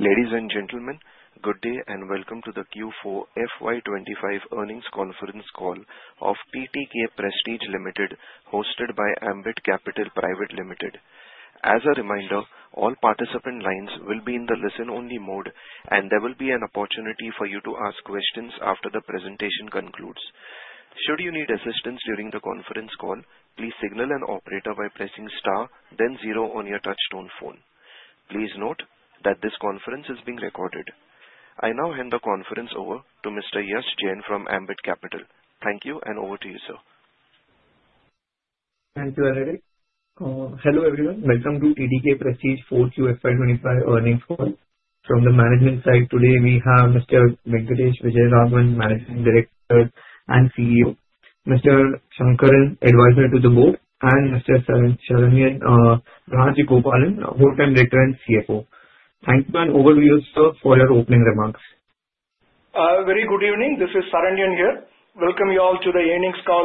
Ladies and gentlemen, good day and welcome to the Q4 FY 2025 Earnings Conference Call of TTK Prestige Ltd, hosted by Ambit Capital Pvt Ltd. As a reminder, all participant lines will be in the listen-only mode, and there will be an opportunity for you to ask questions after the presentation concludes. Should you need assistance during the conference call, please signal an operator by pressing star, then zero on your touch-tone phone. Please note that this conference is being recorded. I now hand the conference over to Mr. Yash Jain from Ambit Capital. Thank you, and over to you, sir. Thank you, everybody. Hello everyone, welcome to TTK Prestige 4Q FY 2025 Earnings Call. From the management side, today we have Mr. Venkatesh Vijayaraghavan, Managing Director and CEO, Mr. Shankaran, Advisor to the Board, and Mr. Saranyan Rajagopalan, Wholetime Director and CFO. Thank you, and over to you, sir, for your opening remarks. Very good evening, this is Saranyan here. Welcome you all to the Earnings Call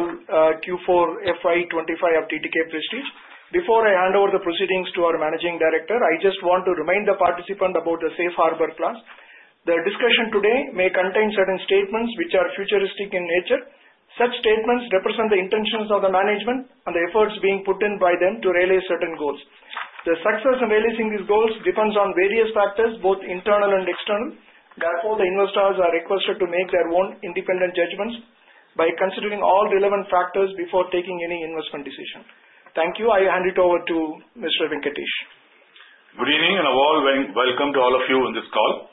Q4 FY 2025 of TTK Prestige. Before I hand over the proceedings to our Managing Director, I just want to remind the participants about the Safe Harbor clause. The discussion today may contain certain statements which are futuristic in nature. Such statements represent the intentions of the management and the efforts being put in by them to realize certain goals. The success of realizing these goals depends on various factors, both internal and external. Therefore, the investors are requested to make their own independent judgments by considering all relevant factors before taking any investment decision. Thank you, I hand it over to Mr. Venkatesh. Good evening and a warm welcome to all of you in this call.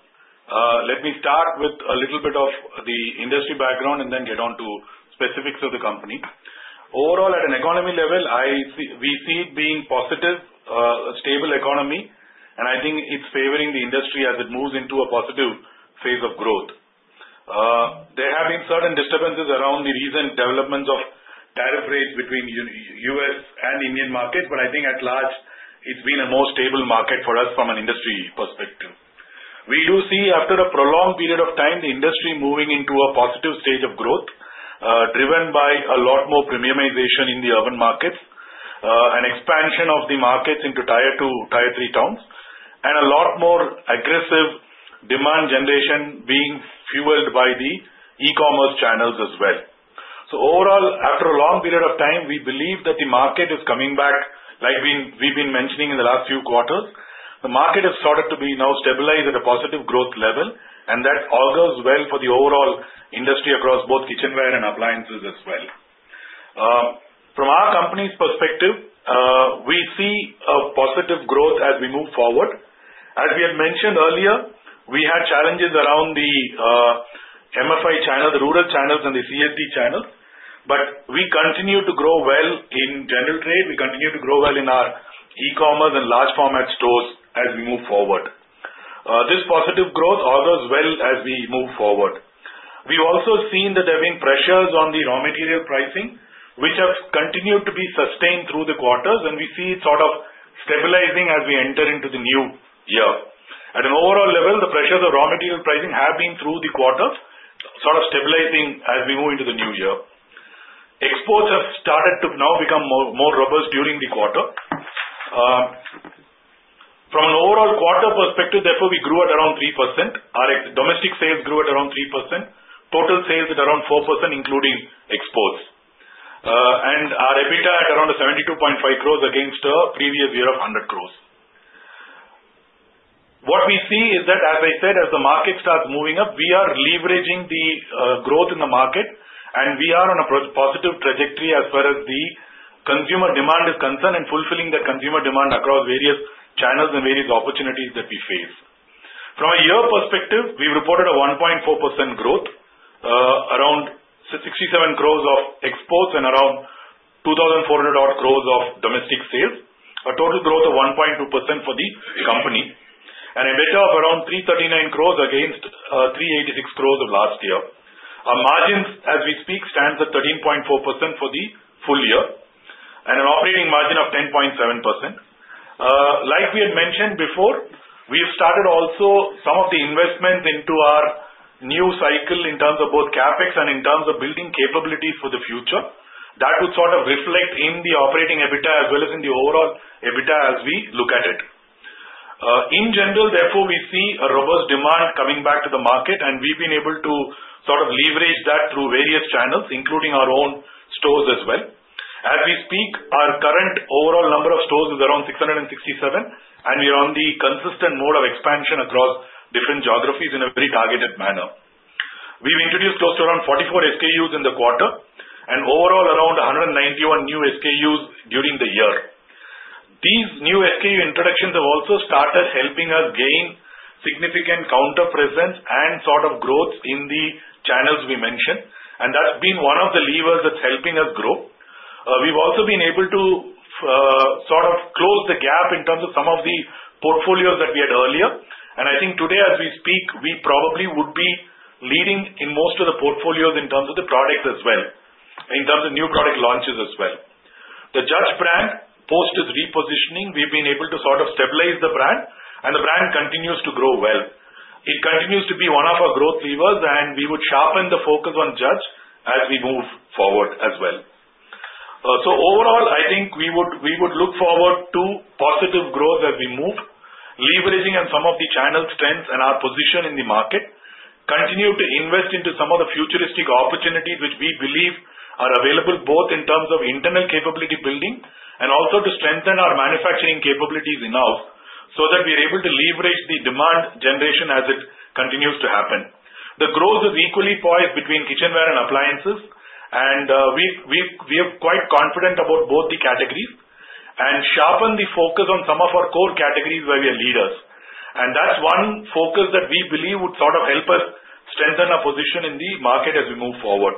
Let me start with a little bit of the industry background and then get on to specifics of the company. Overall, at an economy level, we see it being positive, a stable economy, and I think it's favoring the industry as it moves into a positive phase of growth. There have been certain disturbances around the recent developments of tariff rates between U.S. and Indian markets, but I think at large it's been a more stable market for us from an industry perspective. We do see, after a prolonged period of time, the industry moving into a positive stage of growth, driven by a lot more premiumization in the urban markets, an expansion of the markets into Tier-2, Tier-3 towns, and a lot more aggressive demand generation being fueled by the e-commerce channels as well. Overall, after a long period of time, we believe that the market is coming back, like we've been mentioning in the last few quarters. The market has started to be now stabilized at a positive growth level, and that augurs well for the overall industry across both kitchenware and appliances as well. From our company's perspective, we see a positive growth as we move forward. As we had mentioned earlier, we had challenges around the MFI channel, the rural channels, and the CSD channels, but we continue to grow well in general trade. We continue to grow well in our e-commerce and large-format stores as we move forward. This positive growth augurs well as we move forward. We've also seen that there have been pressures on the raw material pricing, which have continued to be sustained through the quarters, and we see it sort of stabilizing as we enter into the new year. At an overall level, the pressures of raw material pricing have been through the quarters, sort of stabilizing as we move into the new year. Exports have started to now become more robust during the quarter. From an overall quarter perspective, therefore we grew at around 3%. Our domestic sales grew at around 3%, total sales at around 4%, including exports, and our EBITDA at around 72.5 crore against a previous year of 100 crore. What we see is that, as I said, as the market starts moving up, we are leveraging the growth in the market, and we are on a positive trajectory as far as the consumer demand is concerned and fulfilling that consumer demand across various channels and various opportunities that we face. From a year perspective, we've reported a 1.4% growth, around 67 crore of exports and around 2,400 crore of domestic sales, a total growth of 1.2% for the company, and EBITDA of around 339 crore against 386 crore of last year. Our margins, as we speak, stands at 13.4% for the full year and an operating margin of 10.7%. Like we had mentioned before, we've started also some of the investments into our new cycle in terms of both CapEx and in terms of building capabilities for the future. That would sort of reflect in the operating EBITDA as well as in the overall EBITDA as we look at it. In general, therefore we see a robust demand coming back to the market, and we've been able to sort of leverage that through various channels, including our own stores as well. As we speak, our current overall number of stores is around 667, and we are on the consistent mode of expansion across different geographies in a very targeted manner. We've introduced close to around 44 SKUs in the quarter and overall around 191 new SKUs during the year. These new SKU introductions have also started helping us gain significant counter presence and sort of growth in the channels we mentioned, and that's been one of the levers that's helping us grow. We've also been able to sort of close the gap in terms of some of the portfolios that we had earlier, and I think today as we speak, we probably would be leading in most of the portfolios in terms of the products as well, in terms of new product launches as well. The Judge brand post its repositioning, we've been able to sort of stabilize the brand, and the brand continues to grow well. It continues to be one of our growth levers, and we would sharpen the focus on Judge as we move forward as well. So overall, I think we would look forward to positive growth as we move, leveraging some of the channel strengths and our position in the market, continue to invest into some of the futuristic opportunities which we believe are available both in terms of internal capability building and also to strengthen our manufacturing capabilities enough so that we are able to leverage the demand generation as it continues to happen. The growth is equally poised between kitchenware and appliances, and we are quite confident about both the categories and sharpen the focus on some of our core categories where we are leaders. And that's one focus that we believe would sort of help us strengthen our position in the market as we move forward.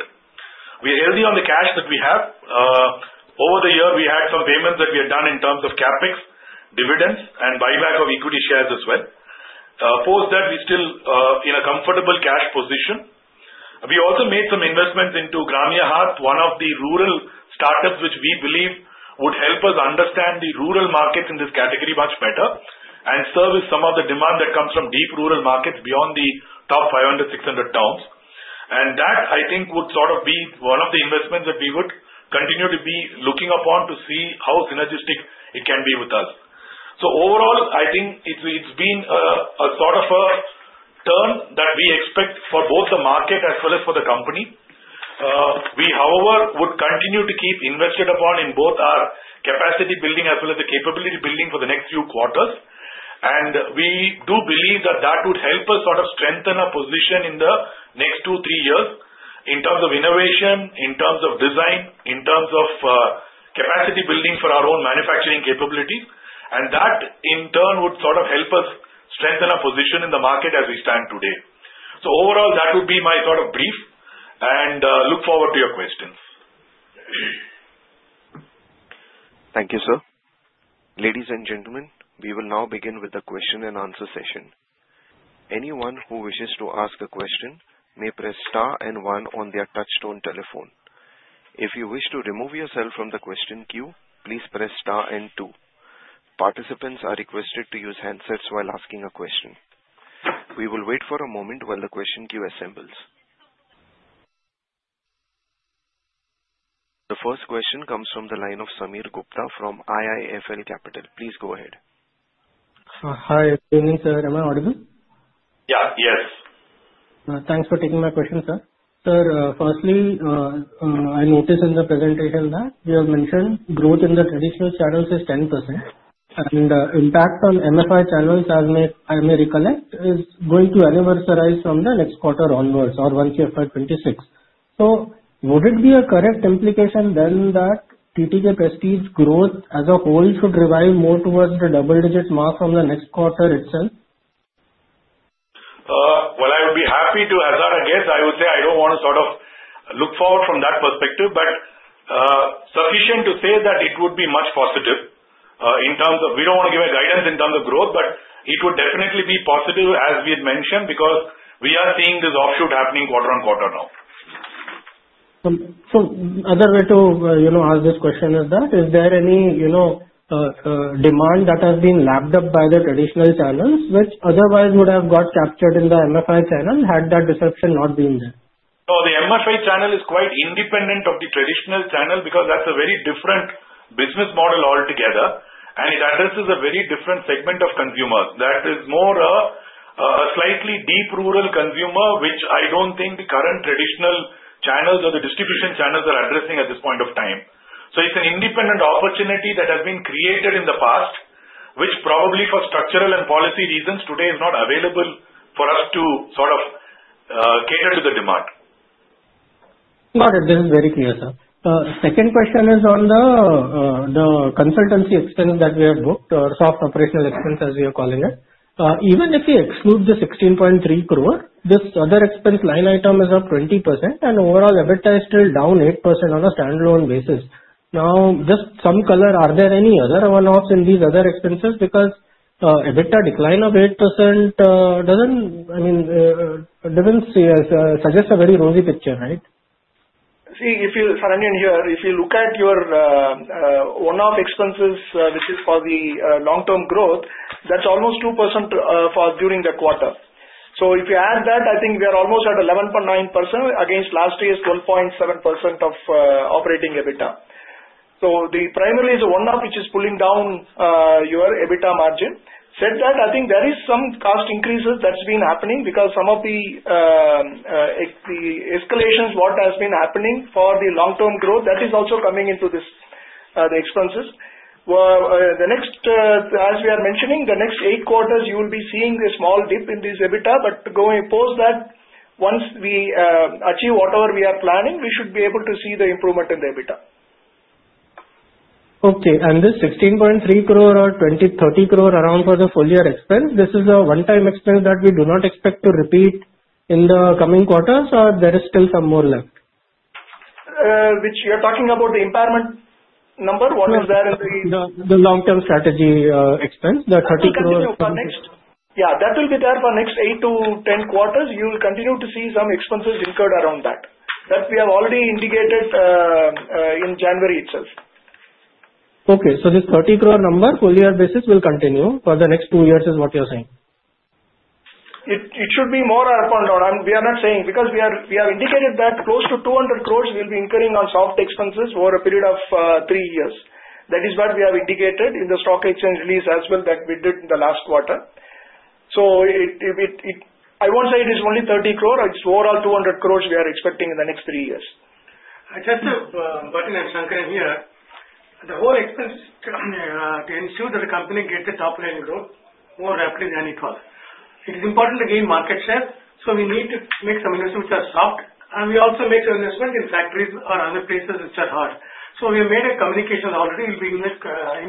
We are healthy on the cash that we have. Over the year, we had some payments that we had done in terms of CapEx, dividends, and buyback of equity shares as well. Post that, we're still in a comfortable cash position. We also made some investments into GramyaHaat, one of the rural startups which we believe would help us understand the rural markets in this category much better and service some of the demand that comes from deep rural markets beyond the top 500, 600 towns. And that, I think, would sort of be one of the investments that we would continue to be looking upon to see how synergistic it can be with us. Overall, I think it's been a sort of a turn that we expect for both the market as well as for the company. We, however, would continue to keep invested upon in both our capacity building as well as the capability building for the next few quarters, and we do believe that that would help us sort of strengthen our position in the next two, three years in terms of innovation, in terms of design, in terms of capacity building for our own manufacturing capabilities, and that in turn would sort of help us strengthen our position in the market as we stand today. So overall, that would be my sort of brief, and look forward to your questions. Thank you, sir. Ladies and gentlemen, we will now begin with the question and answer session. Anyone who wishes to ask a question may press star and one on their touch-tone telephone. If you wish to remove yourself from the question queue, please press star and two. Participants are requested to use handsets while asking a question. We will wait for a moment while the question queue assembles. The first question comes from the line of Sameer Gupta from IIFL Capital. Please go ahead. Hi, can you hear me? Yeah, yes. Thanks for taking my question, sir. Sir, firstly, I noticed in the presentation that you have mentioned growth in the traditional channels is 10%, and the impact on MFI channels, as I may recollect, is going to materialize from the next quarter onwards or 1Q FY 2026. So would it be a correct implication then that TTK Prestige growth as a whole should revive more towards the double-digit mark from the next quarter itself? I would be happy to answer that. I would say I don't want to sort of look forward from that perspective, but suffice it to say that it would be much more positive in terms of growth. We don't want to give guidance in terms of growth, but it would definitely be positive, as we had mentioned, because we are seeing this offtake happening quarter on quarter now. So another way to ask this question is that, is there any demand that has been lapped up by the traditional channels which otherwise would have got captured in the MFI channel had that disruption not been there? No, the MFI channel is quite independent of the traditional channel because that's a very different business model altogether, and it addresses a very different segment of consumers. That is more a slightly deep rural consumer, which I don't think the current traditional channels or the distribution channels are addressing at this point of time. So it's an independent opportunity that has been created in the past, which probably for structural and policy reasons today is not available for us to sort of cater to the demand. Got it. This is very clear, sir. Second question is on the consultancy expense that we have booked or sort of operational expense, as we are calling it. Even if you exclude the 16.3 crore, this other expense line item is up 20%, and overall EBITDA is still down 8% on a standalone basis. Now, just some color, are there any other one-offs in these other expenses? Because EBITDA decline of 8% doesn't suggest a very rosy picture, right? See, Saranyan, here. If you look at your one-off expenses, which is for the long-term growth, that's almost 2% during the quarter. So if you add that, I think we are almost at 11.9% against last year's 12.7% of operating EBITDA. So the primary is a one-off, which is pulling down your EBITDA margin. That said, I think there is some cost increases that's been happening because some of the escalations, what has been happening for the long-term growth, that is also coming into the expenses. As we are mentioning, the next eight quarters, you will be seeing a small dip in this EBITDA, but post that, once we achieve whatever we are planning, we should be able to see the improvement in the EBITDA. Okay, and this 16.3 crore or 20 crore-30 crore around for the full year expense, this is a one-time expense that we do not expect to repeat in the coming quarters, or there is still some more left? Which you are talking about the impairment number? What is there in the? The long-term strategy expense, the 30 crore. Yeah, that will be there for next 8-10 quarters. You will continue to see some expenses incurred around that. That we have already indicated in January itself. Okay, so this particular number, full year basis, will continue for the next two years, is what you are saying? It should be more up and down. We are not saying, because we have indicated that close to 200 crore will be incurring on soft expenses for a period of three years. That is what we have indicated in the stock exchange release as well, that we did in the last quarter, so I won't say it is only 30 crore. It's overall 200 crore we are expecting in the next three years. Just to put in and Shankaran here. The whole expenses is to ensure that the company gets a top-line growth more rapidly than it was. It is important to gain market share, so we need to make some investments which are soft, and we also make some investments in factories or other places which are hard. So we have made a communication already. We'll be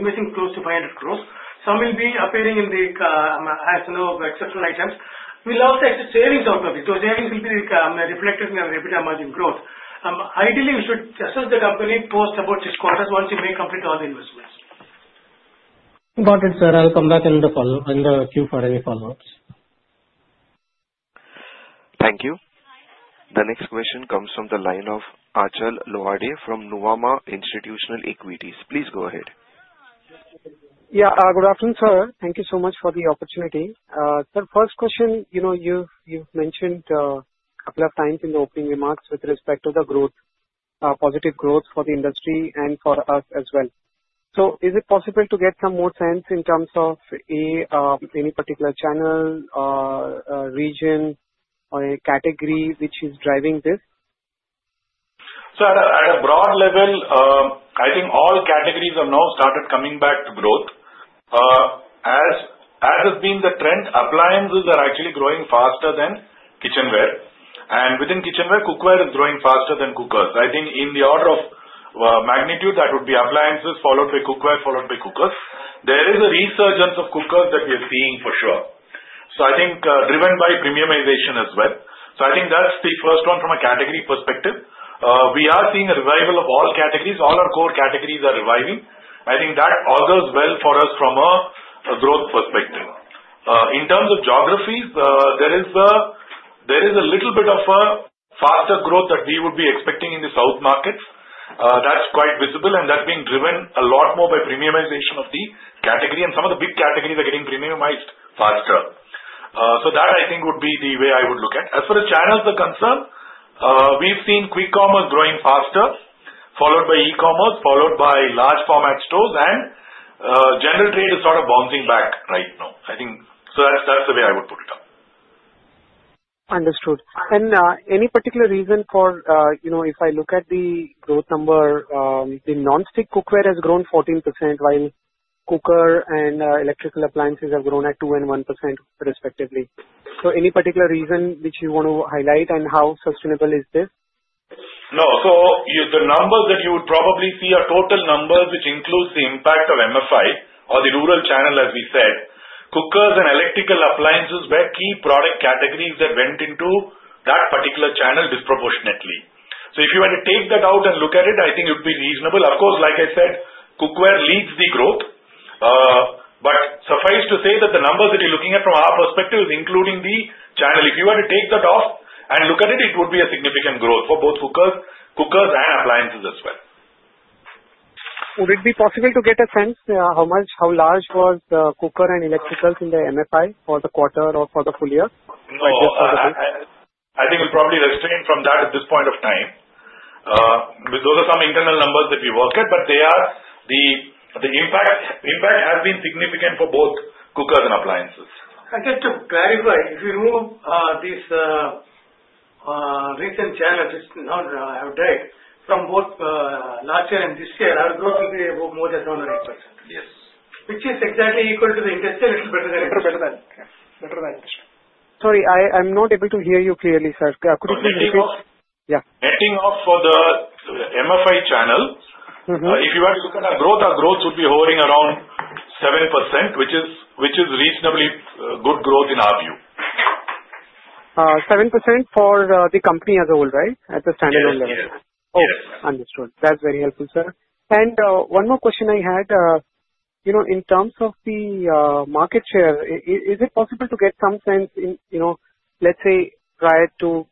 investing close to 500 crore. Some will be appearing in the, as you know, exceptional items. We'll also add to savings outcomes. Those savings will be reflected in the EBITDA margin growth. Ideally, we should assess the company post about six quarters once we may complete all the investments. Got it, sir. I'll come back in the queue for any follow-ups. Thank you. The next question comes from the line of Achal Lohade from Nuvama Institutional Equities. Please go ahead. Yeah, good afternoon, sir. Thank you so much for the opportunity. Sir, first question, you've mentioned a couple of times in the opening remarks with respect to the growth, positive growth for the industry and for us as well. So is it possible to get some more sense in terms of any particular channel, region, or a category which is driving this? Sir, at a broad level, I think all categories have now started coming back to growth. As has been the trend, appliances are actually growing faster than kitchenware, and within kitchenware, cookware is growing faster than cookers. I think in the order of magnitude, that would be appliances followed by cookware, followed by cookers. There is a resurgence of cookers that we are seeing for sure. So I think driven by premiumization as well. So I think that's the first one from a category perspective. We are seeing a revival of all categories. All our core categories are reviving. I think that augurs well for us from a growth perspective. In terms of geographies, there is a little bit of a faster growth that we would be expecting in the South markets. That's quite visible, and that being driven a lot more by premiumization of the category, and some of the big categories are getting premiumized faster. So that, I think, would be the way I would look at. As far as channels are concerned, we've seen quick commerce growing faster, followed by e-commerce, followed by large-format stores, and general trade is sort of bouncing back right now. I think so that's the way I would put it up. Understood. And any particular reason for if I look at the growth number, the non-stick cookware has grown 14%, while cooker and electrical appliances have grown at 2% and 1% respectively. So any particular reason which you want to highlight, and how sustainable is this? No. So the numbers that you would probably see are total numbers which includes the impact of MFI or the rural channel, as we said. Cookers and electrical appliances were key product categories that went into that particular channel disproportionately. So if you were to take that out and look at it, I think it would be reasonable. Of course, like I said, cookware leads the growth, but suffice to say that the numbers that you're looking at from our perspective is including the channel. If you were to take that off and look at it, it would be a significant growth for both cookers and appliances as well. Would it be possible to get a sense how large was cooker and electricals in the MFI for the quarter or for the full year? I think we'll probably refrain from that at this point of time. Those are some internal numbers that we work at, but the impact has been significant for both cookers and appliances. Just to clarify, if you remove these recent channels which now have died from both last year and this year, our growth will be more than 7% or 8%, which is exactly equal to the industrial, little better than industrial. Sorry, I'm not able to hear you clearly, sir. Could you please repeat? Netting off for the MFI channel, if you were to look at our growth, our growth would be hovering around 7%, which is reasonably good growth in our view. 7% for the company as a whole, right, at the standalone level? Yes. Understood. That's very helpful, sir. And one more question I had. In terms of the market share, is it possible to get some sense, let's say, prior to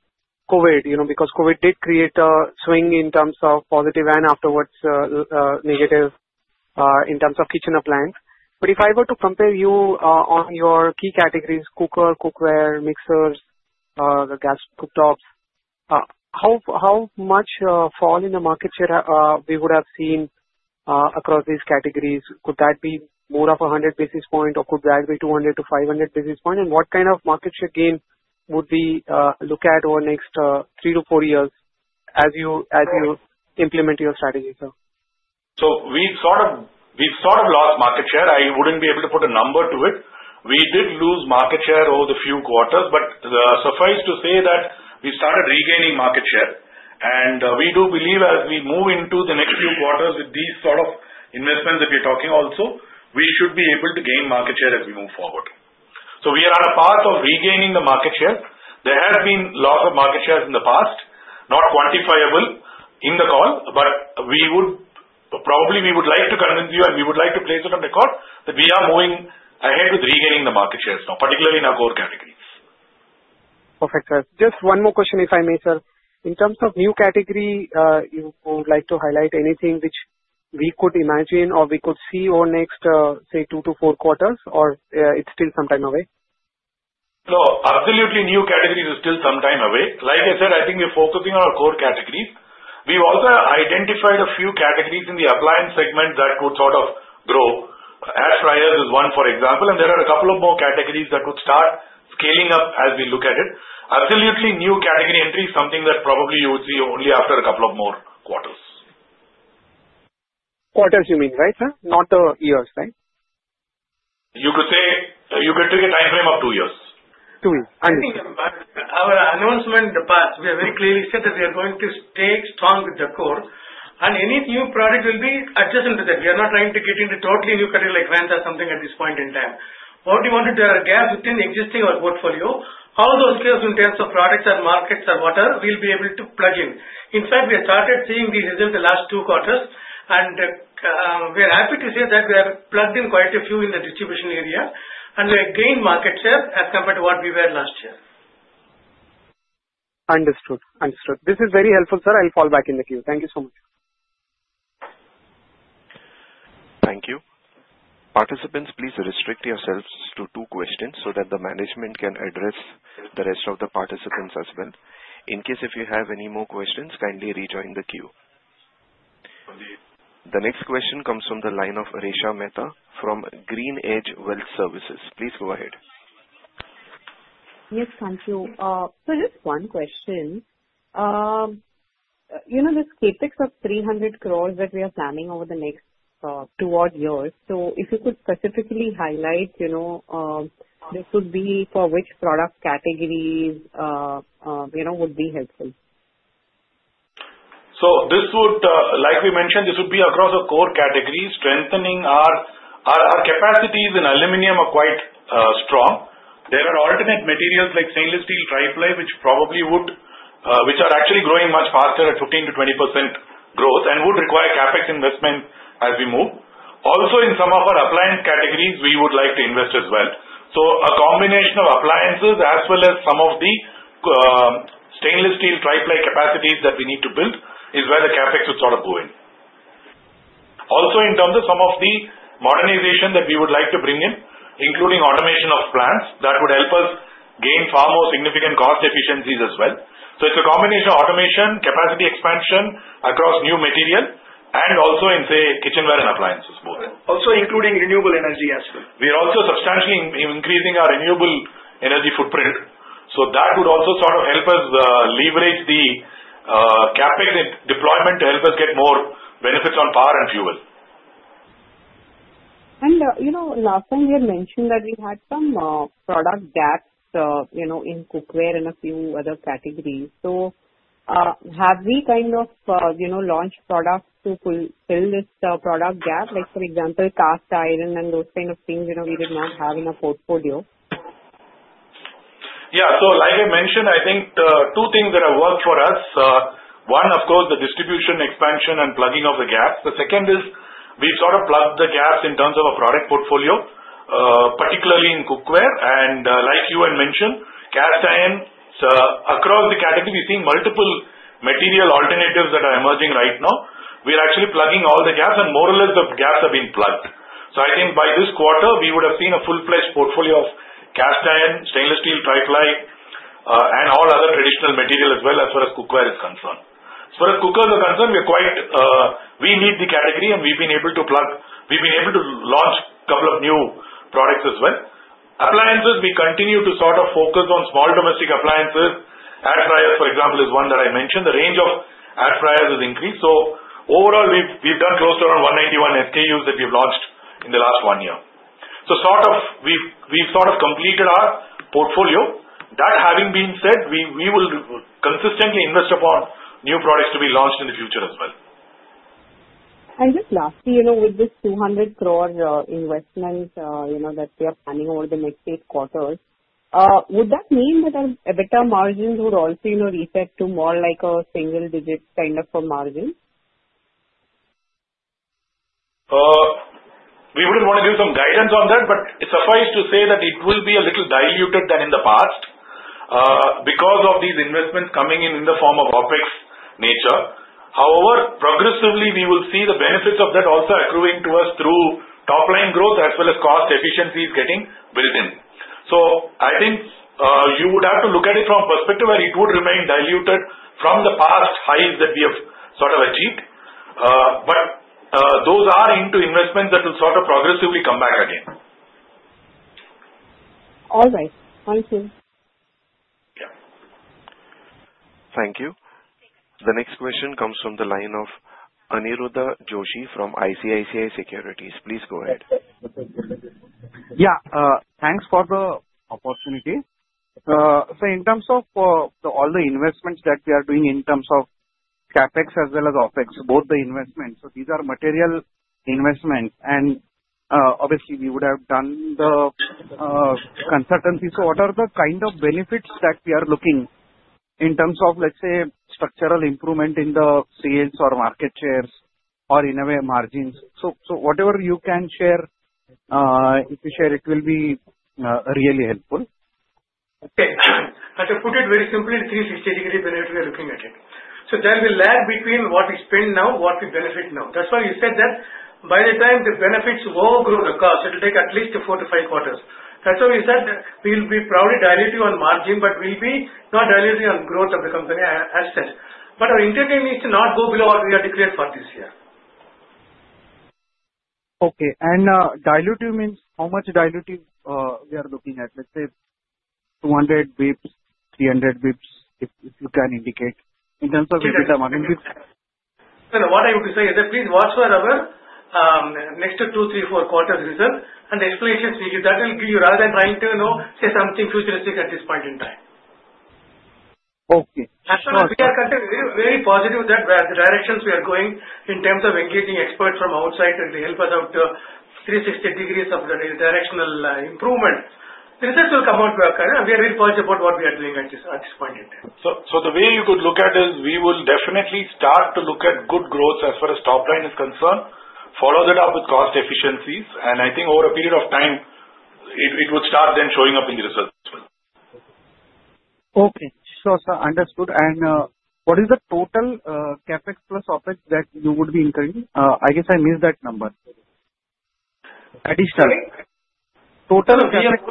COVID, because COVID did create a swing in terms of positive and afterwards negative in terms of kitchen appliance? But if I were to compare you on your key categories: cooker, cookware, mixers, the gas cooktops, how much fall in the market share we would have seen across these categories? Could that be more of a 100 basis points, or could that be 200-500 basis points? And what kind of market share gain would we look at over the next 3-4 years as you implement your strategy, sir? So we've sort of lost market share. I wouldn't be able to put a number to it. We did lose market share over the few quarters, but suffice to say that we started regaining market share. And we do believe as we move into the next few quarters with these sort of investments that we're talking also, we should be able to gain market share as we move forward. So we are on a path of regaining the market share. There have been lots of market shares in the past, not quantifiable in the call, but probably we would like to convince you, and we would like to place it on record that we are moving ahead with regaining the market shares now, particularly in our core categories. Perfect, sir. Just one more question, if I may, sir. In terms of new category, you would like to highlight anything which we could imagine or we could see over the next, say, 2-4 quarters, or it's still some time away? No, absolutely new categories are still some time away. Like I said, I think we're focusing on our core categories. We've also identified a few categories in the appliance segment that would sort of grow. Air fryers is one, for example, and there are a couple of more categories that would start scaling up as we look at it. Absolutely new category entry is something that probably you would see only after a couple of more quarters. Quarters, you mean, right, sir? Not years, right? You could take a time frame of two years. Two years. I think our announcement in the past, we have very clearly said that we are going to stay strong with the core, and any new product will be adjacent to that. We are not trying to get into totally new categories like fans or something at this point in time. What we wanted to do is gaps within existing portfolio, all those gaps in terms of products and markets or whatever we'll be able to plug in. In fact, we have started seeing these results the last two quarters, and we are happy to say that we have plugged in quite a few in the distribution area and gained market share as compared to what we were last year. Understood. Understood. This is very helpful, sir. I'll fall back in the queue. Thank you so much. Thank you. Participants, please restrict yourselves to two questions so that the management can address the rest of the participants as well. In case if you have any more questions, kindly rejoin the queue. The next question comes from the line of Resha Mehta from GreenEdge Wealth Services. Please go ahead. Yes, thank you. So just one question. This CapEx of 300 crore that we are planning over the next 2 odd years, so if you could specifically highlight, this would be for which product categories? That would be helpful. So like we mentioned, this would be across our core categories. Strengthening our capacities in aluminum are quite strong. There are alternate materials like stainless steel, tri-ply, which are actually growing much faster at 15%-20% growth and would require CapEx investment as we move. Also, in some of our appliance categories, we would like to invest as well. So a combination of appliances as well as some of the stainless steel, tri-ply capacities that we need to build is where the CapEx would sort of go in. Also, in terms of some of the modernization that we would like to bring in, including automation of plants, that would help us gain far more significant cost efficiencies as well. So it's a combination of automation, capacity expansion across new material, and also in, say, kitchenware and appliances, both. Also including renewable energy as well. We are also substantially increasing our renewable energy footprint, so that would also sort of help us leverage the CapEx deployment to help us get more benefits on power and fuel. Last time, we had mentioned that we had some product gaps in cookware and a few other categories. Have we kind of launched products to fill this product gap? For example, cast iron and those kind of things we did not have in our portfolio. Yeah, so like I mentioned, I think two things that have worked for us. One, of course, the distribution expansion and plugging of the gaps. The second is we've sort of plugged the gaps in terms of our product portfolio, particularly in cookware, and like you had mentioned, cast iron, across the category, we're seeing multiple material alternatives that are emerging right now. We are actually plugging all the gaps, and more or less, the gaps have been plugged. So I think by this quarter, we would have seen a full-fledged portfolio of cast iron, stainless steel, tri-ply, and all other traditional material as well as far as cookware is concerned. As far as cookers are concerned, we need the category, and we've been able to plug. We've been able to launch a couple of new products as well. Appliances, we continue to sort of focus on small domestic appliances. Air fryers, for example, is one that I mentioned. The range of air fryers has increased. So overall, we've done close to around 191 SKUs that we've launched in the last one year. So we've sort of completed our portfolio. That having been said, we will consistently invest upon new products to be launched in the future as well. And just lastly, with this 200 crore investment that we are planning over the next eight quarters, would that mean that our EBITDA margins would also reflect to more like a single-digit kind of margin? We wouldn't want to give some guidance on that, but it suffices to say that it will be a little diluted than in the past because of these investments coming in in the form of OpEx nature. However, progressively, we will see the benefits of that also accruing to us through top-line growth as well as cost efficiencies getting built in. So I think you would have to look at it from a perspective where it would remain diluted from the past highs that we have sort of achieved, but those are into investments that will sort of progressively come back again. All right. Thank you. Thank you. The next question comes from the line of Aniruddha Joshi from ICICI Securities. Please go ahead. Yeah. Thanks for the opportunity. So in terms of all the investments that we are doing in terms of CapEx as well as OpEx, both the investments, so these are material investments, and obviously, we would have done the consultancy. So what are the kind of benefits that we are looking in terms of, let's say, structural improvement in the sales or market shares or in margins? So whatever you can share, if you share, it will be really helpful. Okay. I shall put it very simply in 360-degree when we are looking at it. So there will lag between what we spend now, what we benefit now. That's why you said that by the time the benefits overgrow the cost, it will take at least 4-5 quarters. That's why we said that we will be probably diluting on margin, but we'll be not diluting on growth of the company as such. But our intention is to not go below what we are declared for this year. Okay. And diluting means how much diluting we are looking at? Let's say 200 basis points, 300 basis points, if you can indicate in terms of EBITDA margin. What I would say is that please watch for our next two, three, four quarters result and the explanations we give. That will give you, rather than trying to say something futuristic at this point in time. Okay. We are very positive that the directions we are going in terms of engaging experts from outside to help us out 360 degrees of the directional improvement. The results will come out very quickly, and we are very positive about what we are doing at this point in time. So the way you could look at it is we will definitely start to look at good growth as far as top-line is concerned, follow that up with cost efficiencies, and I think over a period of time, it would start then showing up in the results as well. Okay. Sure, sir. Understood. And what is the total CapEx plus OpEx that you would be incurring? I guess I missed that number. Additionally, total three years?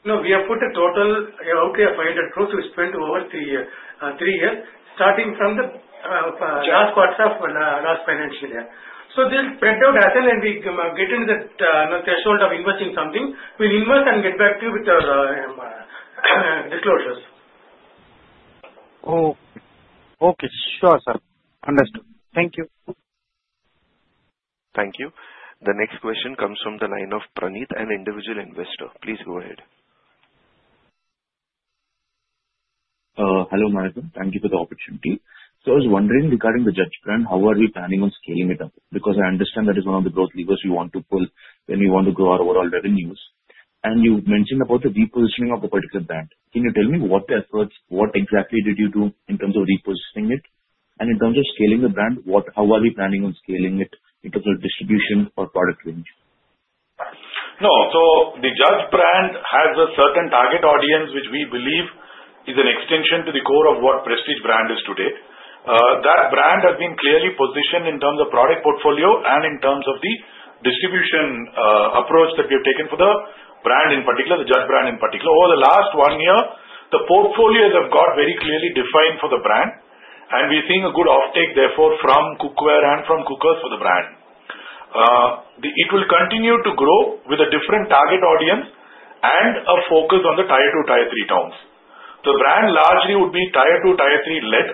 No, we have put a total of 500 crore to be spent over three years, starting from the last quarter of last financial year. So they'll spread out as well as we get into the threshold of investing something, we'll invest and get back to you with our disclosures. Okay. Sure, sir. Understood. Thank you. Thank you. The next question comes from the line of Praneet, an individual investor. Please go ahead. Hello, management. Thank you for the opportunity. So I was wondering regarding the Judge plan, how are we planning on scaling it up? Because I understand that is one of the growth levers we want to pull when we want to grow our overall revenues. And you mentioned about the repositioning of a particular brand. Can you tell me what exactly did you do in terms of repositioning it? And in terms of scaling the brand, how are we planning on scaling it in terms of distribution or product range? No. So the Judge brand has a certain target audience, which we believe is an extension to the core of what Prestige brand is today. That brand has been clearly positioned in terms of product portfolio and in terms of the distribution approach that we have taken for the brand in particular, the Judge brand in particular. Over the last one year, the portfolios have got very clearly defined for the brand, and we're seeing a good offtake, therefore, from cookware and from cookers for the brand. It will continue to grow with a different target audience and a focus on the Tier-2, Tier-3 towns. The brand largely would be Tier-2, Tier-3 led.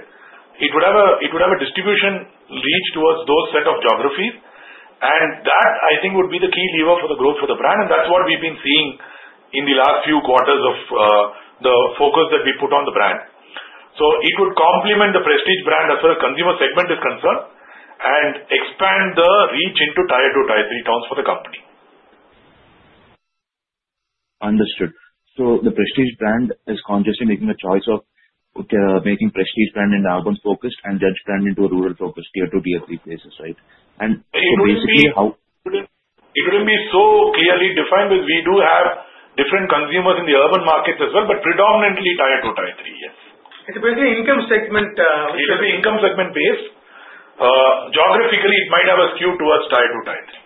It would have a distribution reach towards those set of geographies, and that, I think, would be the key lever for the growth for the brand, and that's what we've been seeing in the last few quarters of the focus that we put on the brand. So it would complement the Prestige brand as far as the consumer segment is concerned and expand the reach into Tier-2, Tier-3 towns for the company. Understood. So the Prestige brand is consciously making a choice of making Prestige brand in the urban focus and Judge brand into a rural focus Tier-2, Tier-3 places, right? And basically, how? It wouldn't be so clearly defined, but we do have different consumers in the urban markets as well, but predominantly Tier-2, Tier-3, yes. It's basically income segment. It's basically income segment-based. Geographically, it might have a skew towards Tier-2, Tier-3.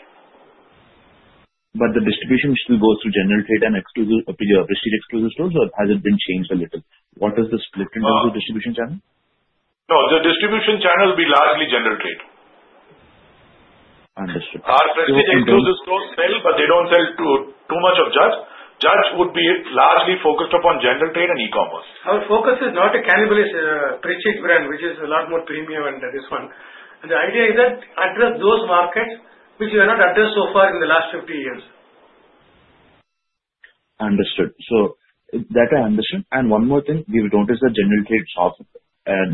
But the distribution still goes through general trade and Prestige Xclusive stores, or has it been changed a little? What is the split in terms of distribution channel? No. The distribution channel will be largely general trade. Understood. Our Prestige Xclusive Stores sell, but they don't sell too much of Judge. Judge would be largely focused upon general trade and e-commerce. Our focus is not to cannibalize Prestige brand, which is a lot more premium than this one. The idea is to address those markets which we have not addressed so far in the last 50 years. Understood. So that I understood. And one more thing we've noticed that general trade's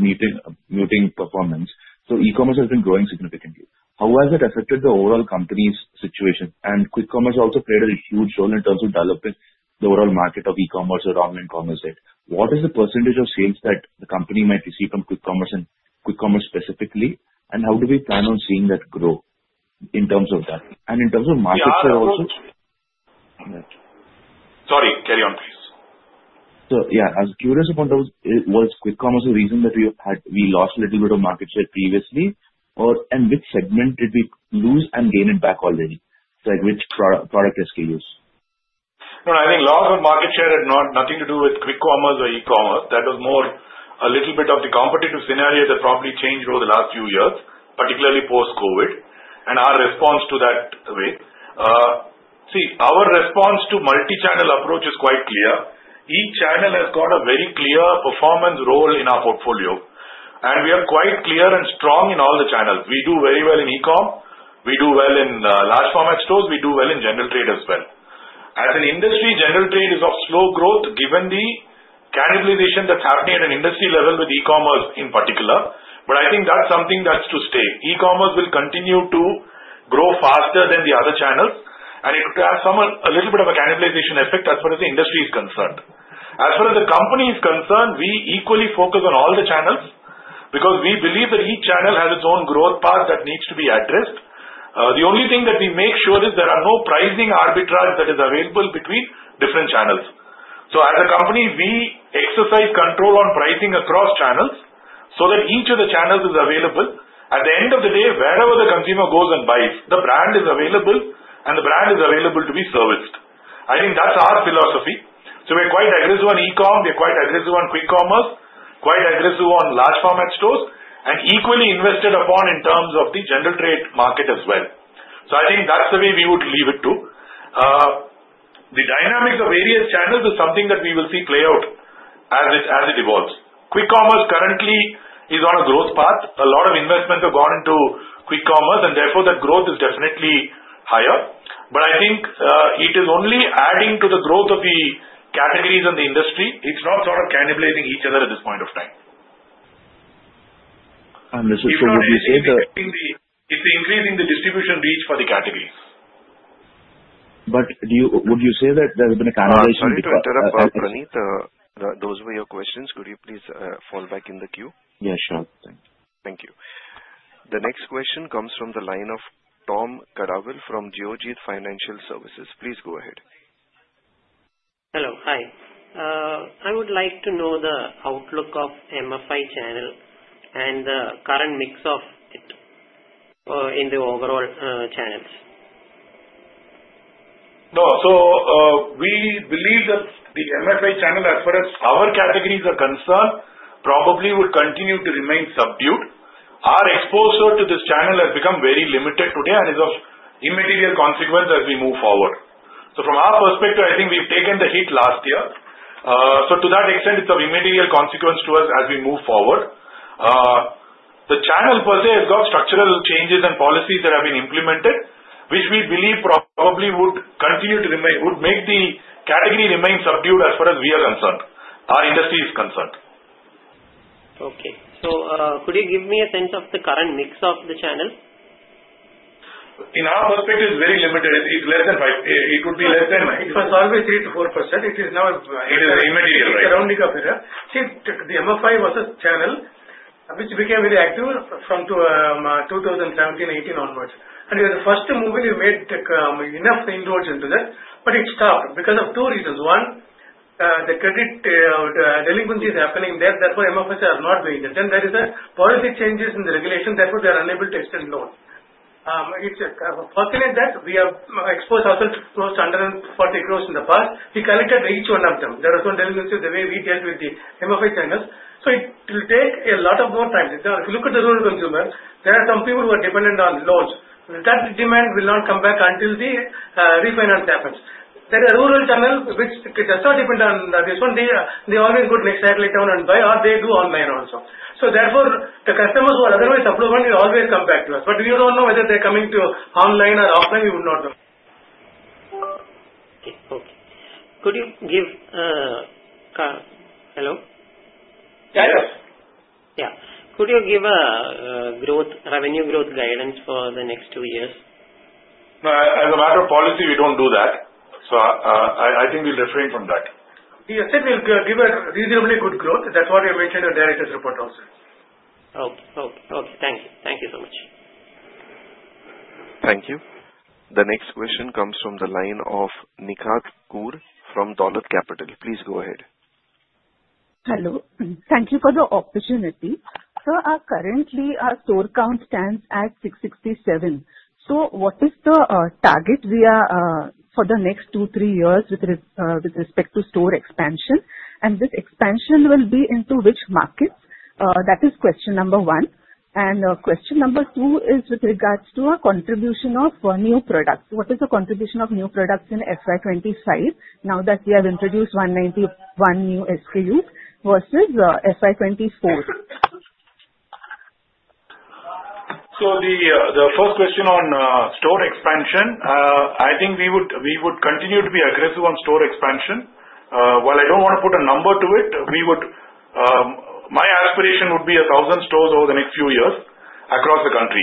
muted performance. So e-commerce has been growing significantly. How has it affected the overall company's situation? And quick commerce also played a huge role in terms of developing the overall market of e-commerce or online commerce yet. What is the percentage of sales that the company might receive from quick commerce and quick commerce specifically, and how do we plan on seeing that grow in terms of that? And in terms of market share also? Sorry. Carry on, please. So yeah, I was curious about was quick commerce the reason that we lost a little bit of market share previously, and which segment did we lose and gain it back already? So which product SKUs? No, I think loss of market share had nothing to do with quick commerce or e-commerce. That was more a little bit of the competitive scenario that probably changed over the last few years, particularly post-COVID, and our response to that way. See, our response to multi-channel approach is quite clear. Each channel has got a very clear performance role in our portfolio, and we are quite clear and strong in all the channels. We do very well in e-comm. We do well in large-format stores. We do well in general trade as well. As an industry, general trade is of slow growth given the cannibalization that's happening at an industry level with e-commerce in particular, but I think that's something that's to stay. E-commerce will continue to grow faster than the other channels, and it would have a little bit of a cannibalization effect as far as the industry is concerned. As far as the company is concerned, we equally focus on all the channels because we believe that each channel has its own growth path that needs to be addressed. The only thing that we make sure is there are no pricing arbitrage that is available between different channels. So as a company, we exercise control on pricing across channels so that each of the channels is available. At the end of the day, wherever the consumer goes and buys, the brand is available, and the brand is available to be serviced. I think that's our philosophy. So we're quite aggressive on e-comm. We're quite aggressive on quick commerce, quite aggressive on large-format stores, and equally invested upon in terms of the general trade market as well. So I think that's the way we would leave it to. The dynamics of various channels is something that we will see play out as it evolves. Quick commerce currently is on a growth path. A lot of investments have gone into quick commerce, and therefore, that growth is definitely higher. But I think it is only adding to the growth of the categories and the industry. It's not sort of cannibalizing each other at this point of time. And this is so what you say. It's increasing the distribution reach for the categories. But would you say that there has been a cannibalization? Praneet, those were your questions. Could you please fall back in the queue? Yeah, sure. Thank you. Thank you. The next question comes from the line of Tom Kadavil from Geojit Financial Services. Please go ahead. Hello. Hi. I would like to know the outlook of MFI channel and the current mix of it in the overall channels? No. So we believe that the MFI channel, as far as our categories are concerned, probably would continue to remain subdued. Our exposure to this channel has become very limited today and is of immaterial consequence as we move forward. So from our perspective, I think we've taken the hit last year. So to that extent, it's of immaterial consequence to us as we move forward. The channel per se has got structural changes and policies that have been implemented, which we believe probably would continue to remain, would make the category remain subdued as far as we are concerned, our industry is concerned. Okay. So could you give me a sense of the current mix of the channel? In our perspective, it's very limited. It's less than five. It would be less than. It was always 3%-4%. It is now. It is immaterial, right? It's slowing down up here. See, the MFI was a channel which became very active from 2017, 2018 onwards. It was the first mover we made an effort to indulge into that, but it stopped because of two reasons. One, the credit delinquency is happening there. That's why MFIs are not giving return. There are policy changes in the regulation. Therefore, they are unable to extend loans. It's fortunate that we have exposed ourselves to close to 140 crore in the past. We collected each one of them. There was no delinquency in the way we dealt with the MFI channels. So it will take a lot more time. If you look at the rural consumers, there are some people who are dependent on loans. That demand will not come back until the refinance happens. There are rural channels which does not depend on this one. They always go to next cycle down and buy, or they do online also. So therefore, the customers who are otherwise suppliers will always come back to us. But we don't know whether they're coming to online or offline. We would not know. Okay. Could you give a hello? Yes. Yeah. Could you give a revenue growth guidance for the next two years? No. As a matter of policy, we don't do that. So I think we'll refrain from that. We said we'll give a reasonably good growth. That's what you mentioned in the director's report also. Okay. Okay. Thank you. Thank you so much. Thank you. The next question comes from the line of Nikhat Koor from Dolat Capital. Please go ahead. Hello. Thank you for the opportunity. So currently, our store count stands at 667. So what is the target for the next two, three years with respect to store expansion? And this expansion will be into which markets? That is question number one. And question number two is with regards to our contribution of new products. What is the contribution of new products in FY 2025 now that we have introduced 191 new SKUs versus FY 2024? So the first question on store expansion, I think we would continue to be aggressive on store expansion. While I don't want to put a number to it, my aspiration would be 1,000 stores over the next few years across the country.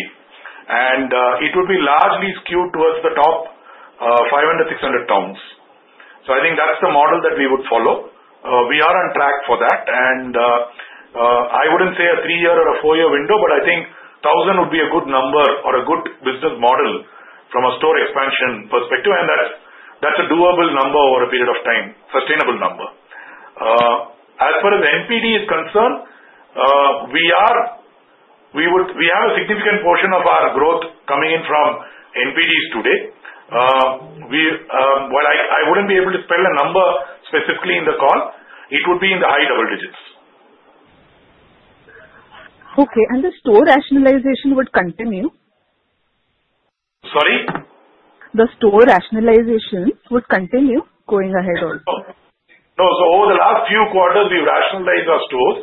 And it would be largely skewed towards the top 500, 600 towns. So I think that's the model that we would follow. We are on track for that. And I wouldn't say a three-year or a four-year window, but I think 1,000 would be a good number or a good business model from a store expansion perspective. And that's a doable number over a period of time, sustainable number. As far as NPD is concerned, we have a significant portion of our growth coming in from NPDs today. While I wouldn't be able to spell a number specifically in the call, it would be in the high double digits. Okay. And the store rationalization would continue? Sorry? The store rationalization would continue going ahead also? No. So over the last few quarters, we've rationalized our stores.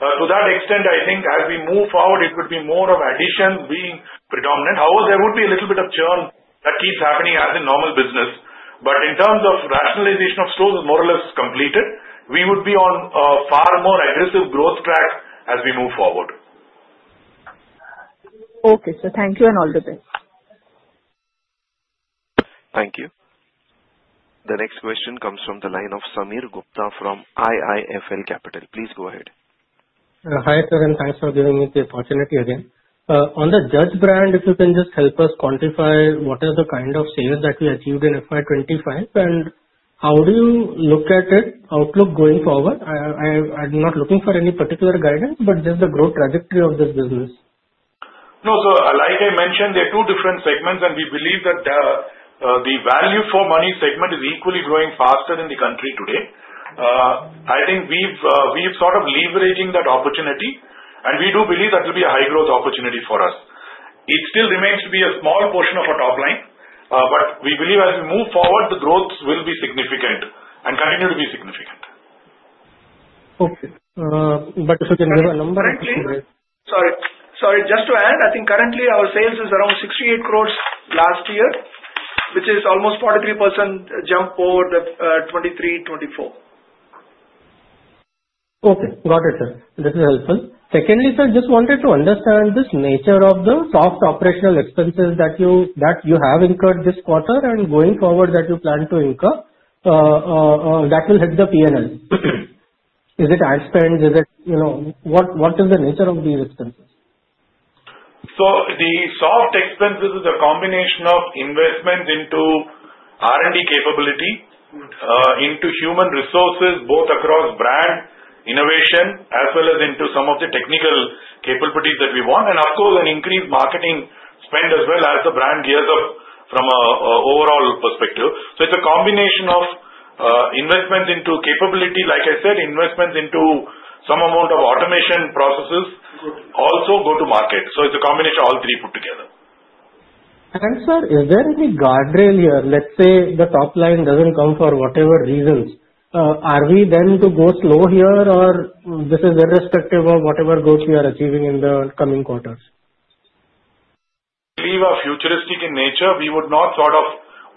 To that extent, I think as we move forward, it would be more of additions being predominant. However, there would be a little bit of churn that keeps happening as in normal business. But in terms of rationalization of stores is more or less completed, we would be on a far more aggressive growth track as we move forward. Okay, so thank you and all the best. Thank you. The next question comes from the line of Sameer Gupta from IIFL Capital. Please go ahead. Hi again. Thanks for giving me the opportunity again. On the Judge brand, if you can just help us quantify what is the kind of sales that we achieved in FY 2025, and how do you look at it, outlook going forward? I'm not looking for any particular guidance, but just the growth trajectory of this business. No. So like I mentioned, there are two different segments, and we believe that the value for money segment is equally growing faster in the country today. I think we've sort of leveraged that opportunity, and we do believe that will be a high-growth opportunity for us. It still remains to be a small portion of our top line, but we believe as we move forward, the growth will be significant and continue to be significant. Okay, but if you can give a number, it would be great. Sorry. Just to add, I think currently our sales is around 68 crore last year, which is almost 43% jump over the 2023-2024. Okay. Got it, sir. This is helpful. Secondly, sir, just wanted to understand this nature of the soft operational expenses that you have incurred this quarter and going forward that you plan to incur that will hit the P&L. Is it ad spend? What is the nature of these expenses? So the soft expenses is a combination of investment into R&D capability, into human resources both across brand innovation, as well as into some of the technical capabilities that we want, and of course, an increased marketing spend as well as the brand gears up from an overall perspective. So it's a combination of investment into capability, like I said, investment into some amount of automation processes, also go to market. So it's a combination of all three put together. Sir, is there any guardrail here? Let's say the top line doesn't come for whatever reasons. Are we then to go slow here, or this is irrespective of whatever growth we are achieving in the coming quarters? Believe we are futuristic in nature. We would not sort of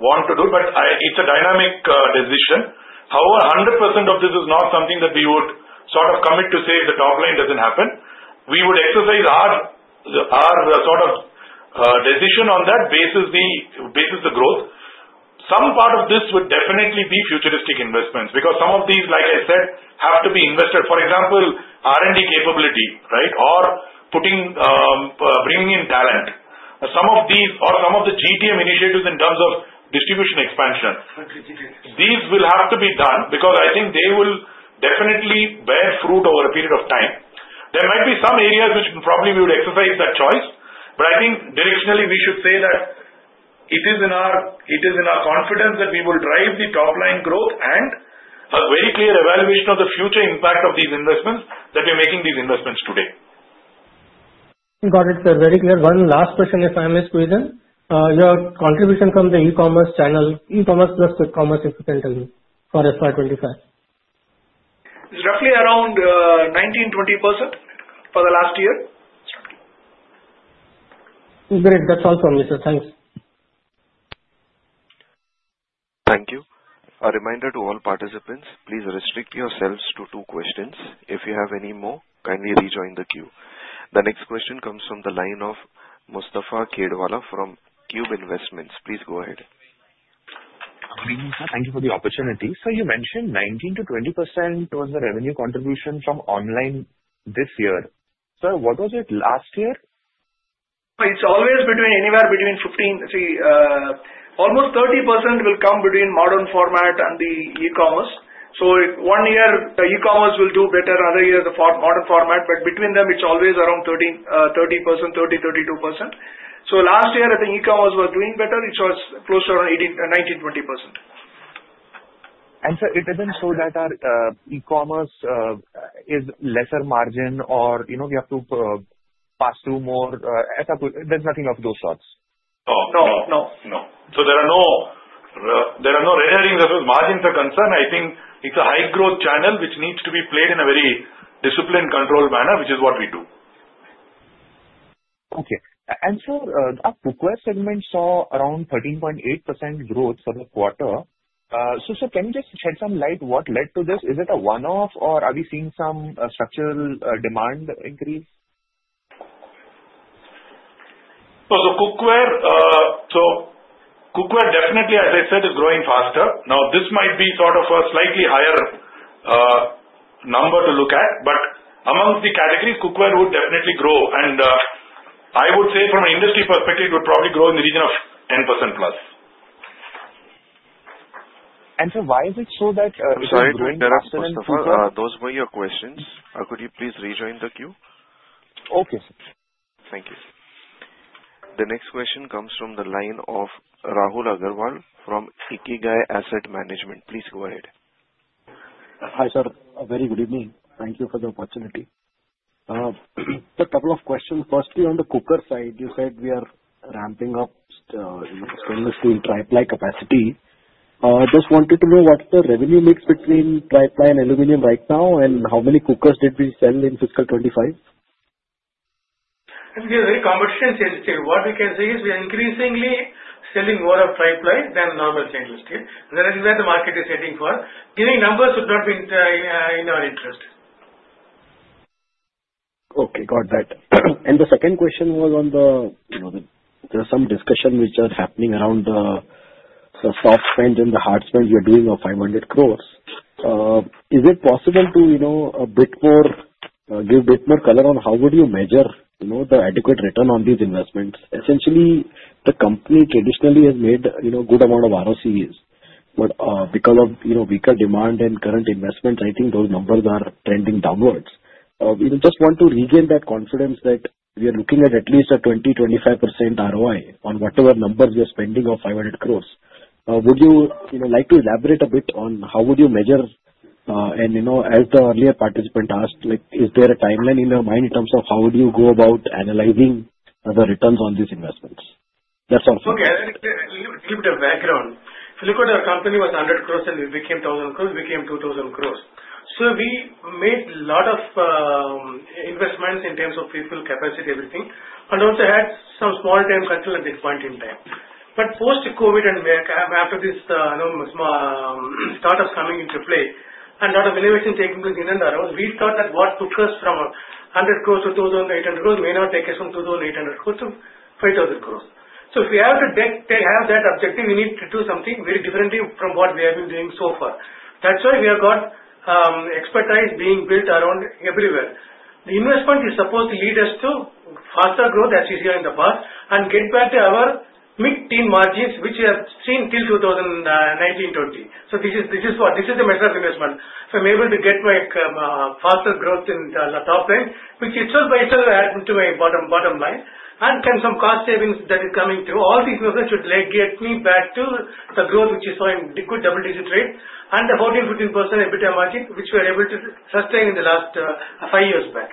want to do, but it's a dynamic decision. However, 100% of this is not something that we would sort of commit to, save the top line doesn't happen. We would exercise our sort of decision on that basis, the growth. Some part of this would definitely be futuristic investments because some of these, like I said, have to be invested. For example, R&D capability, right, or bringing in talent. Some of these or some of the GTM initiatives in terms of distribution expansion. These will have to be done because I think they will definitely bear fruit over a period of time. There might be some areas which probably we would exercise that choice, but I think directionally, we should say that it is in our confidence that we will drive the top line growth and a very clear evaluation of the future impact of these investments that we're making today. Got it, sir. Very clear. One last question, if I may squeeze in. Your contribution from the e-commerce channel, e-commerce plus quick commerce, if you can tell me for FY 2025? It's roughly around 19%-20% for the last year. Great. That's all from me, sir. Thanks. Thank you. A reminder to all participants, please restrict yourselves to two questions. If you have any more, kindly rejoin the queue. The next question comes from the line of Mustafa Khedwala from Cube Investments. Please go ahead. Thank you for the opportunity. So you mentioned 19%-20% was the revenue contribution from online this year. Sir, what was it last year? It's always anywhere between 15%, see, almost 30% will come between modern format and the e-commerce. So one year, the e-commerce will do better. Another year, the modern format. But between them, it's always around 30%-32%. So last year, I think e-commerce was doing better. It was closer to 19%-20%. Sir, it isn't so that our e-commerce is lesser margin or we have to pass through more? Or there's nothing of those sorts? No. No. No. No. So there are no rare things as far as margins are concerned. I think it's a high-growth channel which needs to be played in a very disciplined controlled manner, which is what we do. Okay. And sir, that cookware segment saw around 13.8% growth for the quarter. So sir, can you just shed some light on what led to this? Is it a one-off, or are we seeing some structural demand increase? Cookware, definitely, as I said, is growing faster. Now, this might be sort of a slightly higher number to look at, but among the categories, cookware would definitely grow. I would say from an industry perspective, it would probably grow in the region of 10%+. Sir, why is it so that? Sorry. Mr. Mustafa, those were your questions. Could you please rejoin the queue? Okay. Thank you. The next question comes from the line of Rahul Agarwal from Ikigai Asset Management. Please go ahead. Hi sir. Very good evening. Thank you for the opportunity. A couple of questions. Firstly, on the cookware side, you said we are ramping up stainless steel tri-ply capacity. Just wanted to know what's the revenue mix between tri-ply and aluminum right now, and how many cookers did we sell in fiscal 2025? We are very competitive. What we can say is we are increasingly selling more of tri-ply than normal stainless steel. That is where the market is heading for. Giving numbers would not be in our interest. Okay. Got that. And the second question was on, there's some discussion which is happening around the soft spend and the hard spend. You're doing 500 crore. Is it possible to give a bit more color on how would you measure the adequate return on these investments? Essentially, the company traditionally has made a good amount of ROCE, but because of weaker demand and current investments, I think those numbers are trending downwards. We just want to regain that confidence that we are looking at at least a 20%-25% ROI on whatever numbers we are spending of 500 crore. Would you like to elaborate a bit on how would you measure? And as the earlier participant asked, is there a timeline in your mind in terms of how would you go about analyzing the returns on these investments? That's all. Okay. Let me give a little bit of background. So look at our company was 100 crore, and we became 1,000 crore. We became 2,000 crore. So we made a lot of investments in terms of people, capacity, everything, and also had some small-time cut at this point in time. But post-COVID and after these startups coming into play and a lot of innovation taking place in and around, we thought that what took us from 100 crore to 2,800 crore may not take us from 2,800 crore to 5,000 crore. So if we have to have that objective, we need to do something very differently from what we have been doing so far. That's why we have got expertise being built around everywhere. The investment is supposed to lead us to faster growth as we see in the past and get back to our mid-teen margins which we have seen till 2019, 2020. So this is the matter of investment. If I'm able to get my faster growth in the top line, which itself by itself will add to my bottom line and some cost savings that is coming through, all these investments should get me back to the growth which is so good, double-digit rate, and the 14%-15% EBITDA margin which we are able to sustain in the last five years back.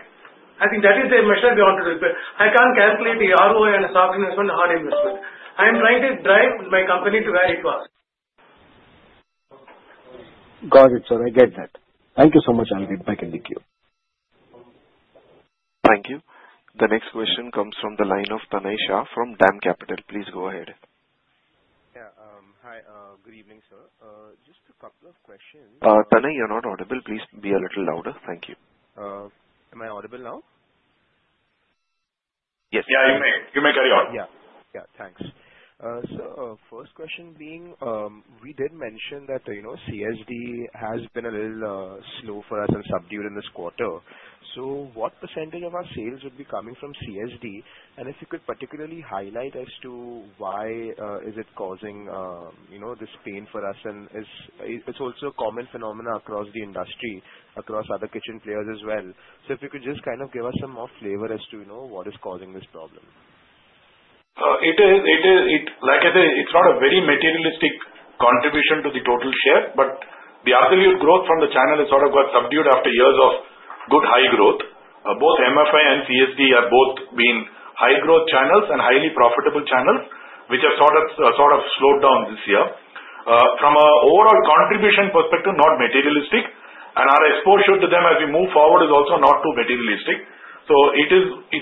I think that is the measure we want to do. I can't calculate the ROI on a soft investment, hard investment. I am trying to drive my company to where it was. Got it, sir. I get that. Thank you so much. I'll get back in the queue. Thank you. The next question comes from the line of Tanay Shah from DAM Capital. Please go ahead. Yeah. Hi. Good evening, sir. Just a couple of questions. Tanay, you're not audible. Please be a little louder. Thank you. Am I audible now? Yes. Yeah, you may carry on. Yeah. Yeah. Thanks. So first question being, we did mention that CSD has been a little slow for us and subdued in this quarter. So what percentage of our sales would be coming from CSD? And if you could particularly highlight as to why is it causing this pain for us? And it's also a common phenomenon across the industry, across other kitchen players as well. So if you could just kind of give us some more flavor as to what is causing this problem. It is. Like I said, it's not a very material contribution to the total share, but the absolute growth from the channel has sort of got subdued after years of good high growth. Both MFI and CSD have both been high-growth channels and highly profitable channels, which have sort of slowed down this year. From an overall contribution perspective, not materialistic. And our exposure to them as we move forward is also not too materialistic. So it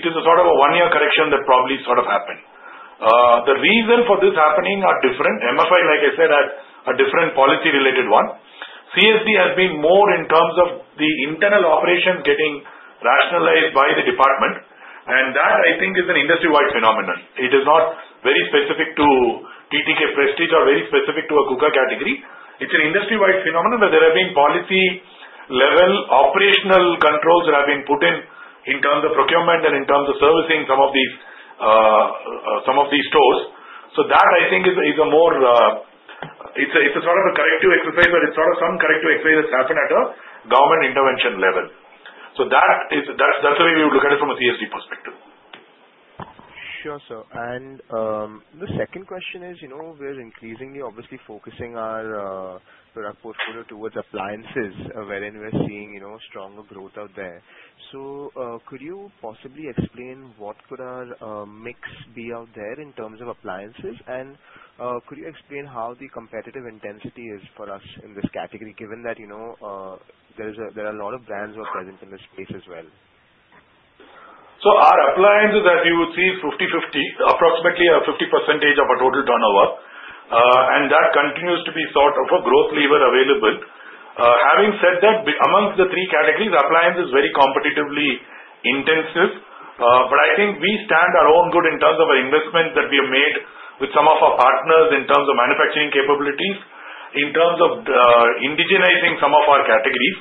is a sort of a one-year correction that probably sort of happened. The reason for this happening are different. MFI, like I said, had a different policy-related one. CSD has been more in terms of the internal operations getting rationalized by the department. And that, I think, is an industry-wide phenomenon. It is not very specific to TTK Prestige or very specific to a cookware category. It's an industry-wide phenomenon where there have been policy-level operational controls that have been put in terms of procurement and in terms of servicing some of these stores. So that, I think, is more it's a sort of a corrective exercise, but it's sort of some corrective exercise that's happened at a government intervention level. So that's the way we would look at it from a CSD perspective. Sure, sir. And the second question is we're increasingly, obviously, focusing our product portfolio towards appliances, wherein we're seeing stronger growth out there. So could you possibly explain what could our mix be out there in terms of appliances? And could you explain how the competitive intensity is for us in this category, given that there are a lot of brands who are present in this space as well? So our appliances that we would see 50/50, approximately 50% of our total turnover. And that continues to be sort of a growth lever available. Having said that, among the three categories, appliances are very competitively intensive. But I think we stand our own good in terms of our investment that we have made with some of our partners in terms of manufacturing capabilities, in terms of indigenizing some of our categories.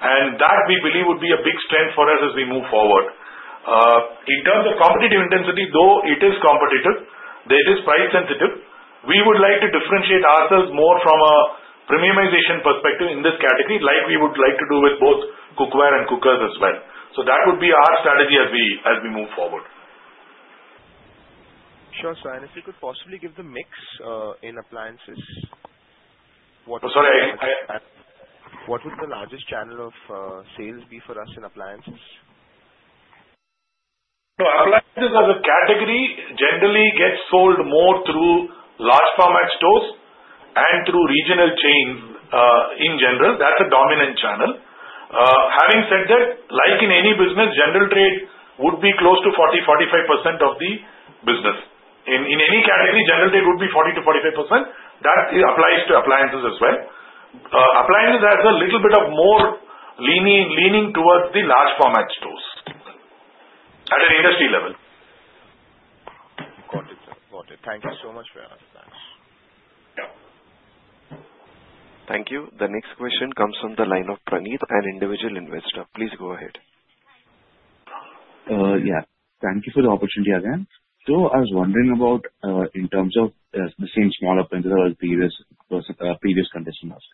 And that, we believe, would be a big strength for us as we move forward. In terms of competitive intensity, though it is competitive, it is price-sensitive, we would like to differentiate ourselves more from a premiumization perspective in this category, like we would like to do with both cookware and cookers as well. So that would be our strategy as we move forward. Sure, sir. If you could possibly give the mix in appliances, what would the largest channel of sales be for us in appliances? Appliances as a category generally gets sold more through large-format stores and through regional chains in general. That's a dominant channel. Having said that, like in any business, general trade would be close to 40%-45% of the business. In any category, general trade would be 40%-45%. That applies to appliances as well. Appliances has a little bit of more leaning towards the large-format stores at an industry level. Got it, sir. Got it. Thank you so much for your answers. Yeah. Thank you. The next question comes from the line of Praneet, an individual investor. Please go ahead. Yeah. Thank you for the opportunity again. So I was wondering about in terms of the same small appliances and pressure cookers.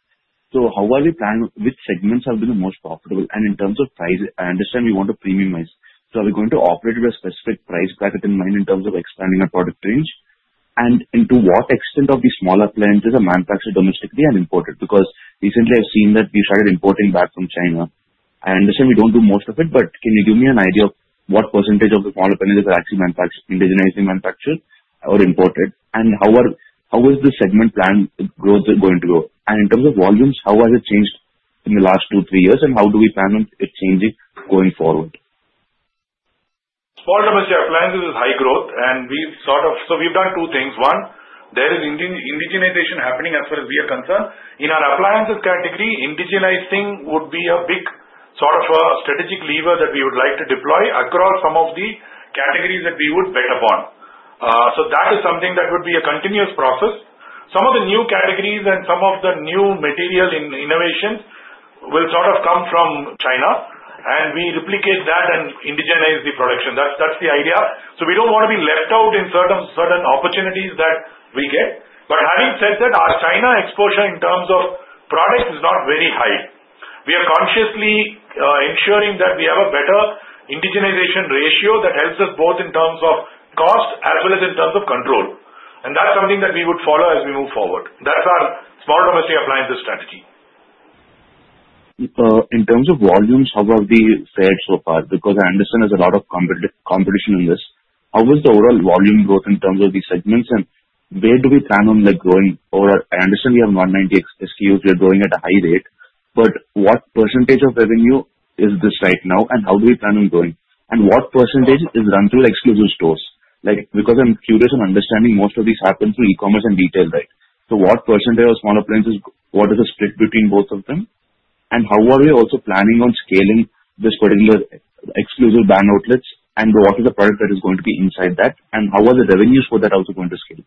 So how are we planning which segments have been the most profitable? And in terms of price, I understand we want to premiumize. So are we going to operate with a specific price bracket in mind in terms of expanding our product range? And to what extent of these small appliances are manufactured domestically and imported? Because recently, I've seen that we started importing back from China. I understand we don't do most of it, but can you give me an idea of what percentage of the small appliances are actually indigenously manufactured or imported? And how is the segment plan growth going to go? And in terms of volumes, how has it changed in the last two, three years? How do we plan on it changing going forward? Volumes in appliances is high growth, and so we've done two things. One, there is indigenization happening as far as we are concerned. In our appliances category, indigenizing would be a big sort of strategic lever that we would like to deploy across some of the categories that we would bet upon, so that is something that would be a continuous process. Some of the new categories and some of the new material innovations will sort of come from China, and we replicate that and indigenize the production. That's the idea, so we don't want to be left out in certain opportunities that we get. But having said that, our China exposure in terms of products is not very high. We are consciously ensuring that we have a better indigenization ratio that helps us both in terms of cost as well as in terms of control. That's something that we would follow as we move forward. That's our small domestic appliances strategy. In terms of volumes, how have we fared so far? Because I understand there's a lot of competition in this. How was the overall volume growth in terms of these segments? And where do we plan on growing? I understand we have 190 SKUs. We are growing at a high rate. But what percentage of revenue is this right now? And how do we plan on growing? And what percentage is run through exclusive stores? Because I'm curious in understanding most of these happen through e-commerce and retail, right? So what percentage of small appliances? What is the split between both of them? And how are we also planning on scaling this particular exclusive brand outlets? And what is the product that is going to be inside that? And how are the revenues for that also going to scale?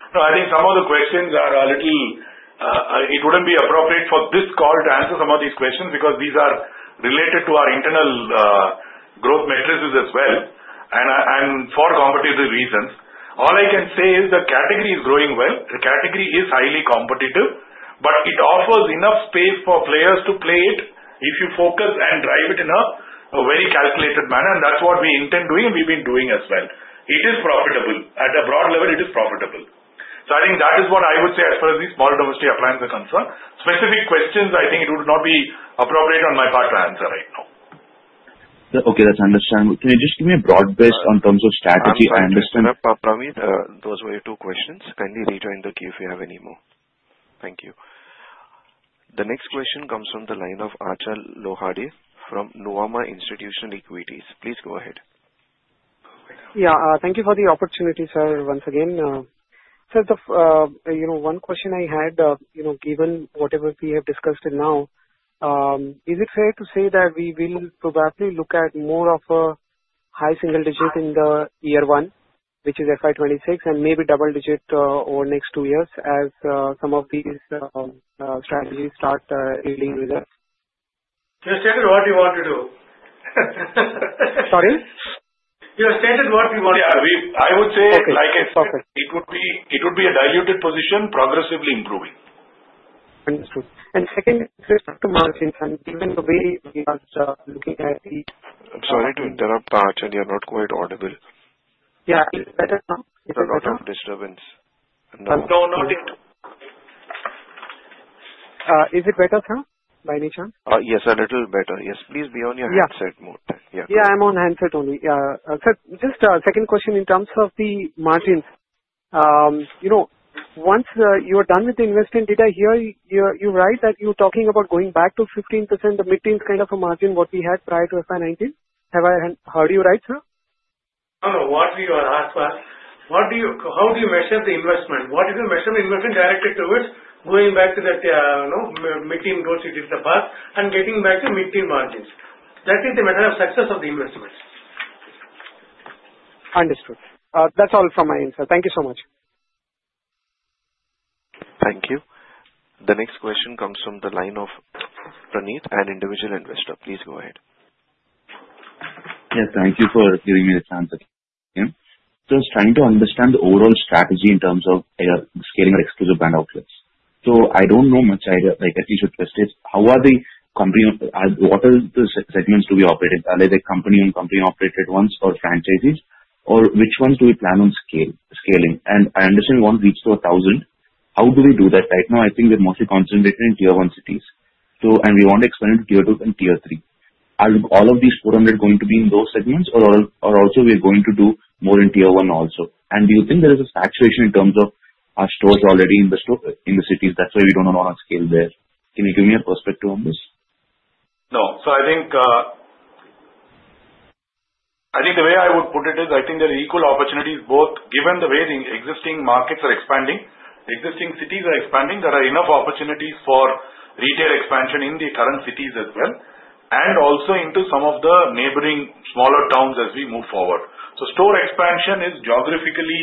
So I think some of the questions wouldn't be appropriate for this call to answer some of these questions because these are related to our internal growth matrices as well and for competitive reasons. All I can say is the category is growing well. The category is highly competitive, but it offers enough space for players to play it if you focus and drive it in a very calculated manner. And that's what we intend doing, and we've been doing as well. It is profitable. At a broad level, it is profitable. So I think that is what I would say as far as these small domestic appliances are concerned. Specific questions, I think it would not be appropriate on my part to answer right now. Okay. That's understandable. Can you just give me a broad brush in terms of strategy? Those were your two questions. Kindly rejoin the queue if you have any more. Thank you. The next question comes from the line of Achal Lohade from Nuvama Institutional Equities. Please go ahead. Yeah. Thank you for the opportunity, sir, once again. Sir, one question I had, given whatever we have discussed now, is it fair to say that we will probably look at more of a high single-digit in the year one, which is FY 2026, and maybe double-digit over the next two years as some of these strategies start dealing with us? You stated what you want to do. Sorry? You stated what you want to do. I would say, like I said, it would be a diluted position, progressively improving. Understood. And second, just to margin, given the way we are looking at the. I'm sorry to interrupt, Achal. You're not quite audible. Yeah. Is it better now? It's a lot of disturbance. No, not yet. Is it better now, by any chance? Yes, a little better. Yes. Please be on your handset mode. Yeah. I'm on handset only. Sir, just a second question in terms of the margins. Once you are done with the investment data, you write that you're talking about going back to 15%, the mid-teens kind of a margin what we had prior to FY 2019. Have I heard you right, sir? No, no. What were you asked? How do you measure the investment? What if you measure the investment directed towards going back to that mid-teen growth you did in the past and getting back to mid-teen margins? That is the measure of success of the investment. Understood. That's all from my end, sir. Thank you so much. Thank you. The next question comes from the line of Praneet, an individual investor. Please go ahead. Yeah. Thank you for giving me the chance. So I was trying to understand the overall strategy in terms of scaling our exclusive brand outlets. So I don't know much. I think you should just say, what are the segments do we operate in? Are they company-owned, company-operated ones, or franchisees? Or which ones do we plan on scaling? And I understand we've reached 1,000. How do we do that right now? I think we're mostly concentrated in Tier-1 cities. And we want to expand into Tier-2 and Tier-3. Are all of these 400 going to be in those segments, or also we're going to do more in Tier-1 also? And do you think there is a fluctuation in terms of our stores already in the cities? That's why we don't know how to scale there. Can you give me a perspective on this? No, so I think the way I would put it is I think there are equal opportunities, both given the way the existing markets are expanding, existing cities are expanding, there are enough opportunities for retail expansion in the current cities as well, and also into some of the neighboring smaller towns as we move forward, so store expansion is geographically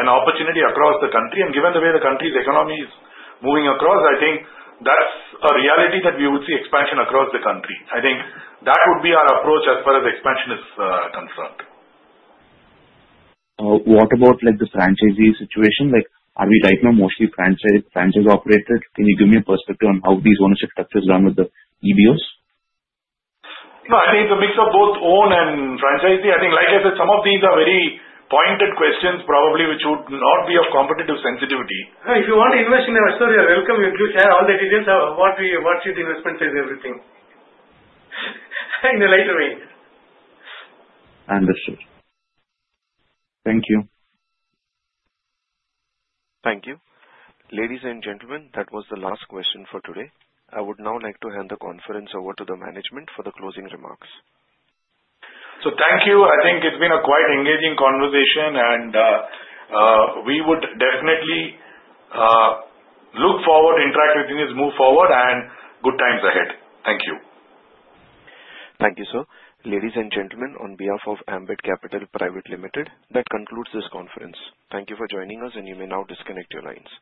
an opportunity across the country, and given the way the country's economy is moving across, I think that's a reality that we would see expansion across the country. I think that would be our approach as far as expansion is concerned. What about the franchisee situation? Are we right now mostly franchise-operated? Can you give me a perspective on how these ownership structures run with the EBOs? No. I think it's a mix of both own and franchisee. I think, like I said, some of these are very pointed questions, probably, which would not be of competitive sensitivity. If you want to invest in your store, you're welcome. You can share all the details of what your investment is, everything, in a lighter way. Understood. Thank you. Thank you. Ladies and gentlemen, that was the last question for today. I would now like to hand the conference over to the management for the closing remarks. Thank you. I think it's been a quite engaging conversation. We would definitely look forward, interact with things, move forward, and good times ahead. Thank you. Thank you, sir. Ladies and gentlemen, on behalf of Ambit Capital Pvt Ltd, that concludes this conference. Thank you for joining us, and you may now disconnect your lines.